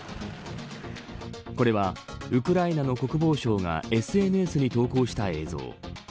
これはウクライナの国防省がＳＮＳに投稿した映像。